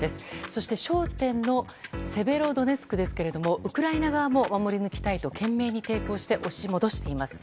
そして、焦点のセベロドネツクですけれどもウクライナ側も守り抜きたいと懸命に抵抗して押し戻しています。